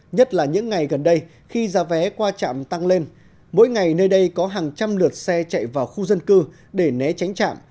nhất là những ngày gần đây khi giá vé qua trạm tăng lên mỗi ngày nơi đây có hàng trăm lượt xe chạy vào khu dân cư để né tránh trạm